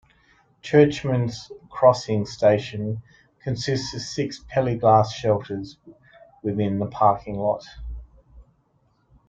Churchmans Crossing station consists of six plexiglass shelters within the parking lot.